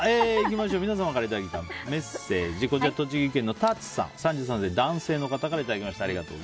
皆様から頂いたメッセージ栃木県の３３歳、男性の方からいただきました。